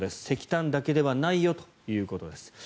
石炭だけではないよということです。